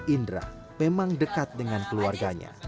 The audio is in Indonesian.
indra memang dekat dengan keluarganya